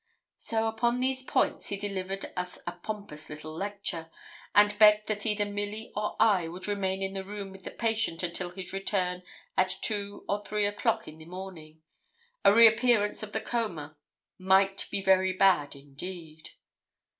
So upon these points he delivered us a pompous little lecture, and begged that either Milly or I would remain in the room with the patient until his return at two or three o'clock in the morning; a reappearance of the coma 'might be very bad indeed.'